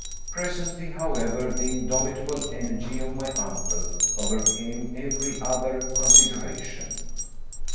Presently, however, the indomitable energy of my uncle overcame every other consideration.